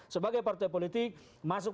sebagai partai politik masuk